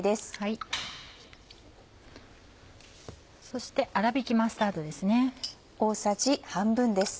そして「あらびきマスタード」です。